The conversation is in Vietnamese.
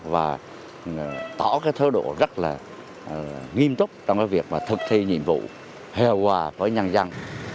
và tỏ cái thơ độ rất là nghiêm túc trong cái việc thực thi nhiệm vụ hòa hòa với nhân dân